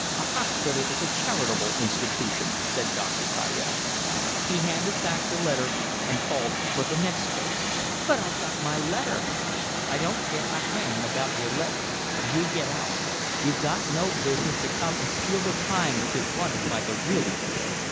A hospital is a charitable institution," said Dr. Tyrell. He handed back the letter and called for the next case. "But I've got my letter." "I don't care a hang about your letter; you get out. You've got no business to come and steal the time which is wanted by the really poor."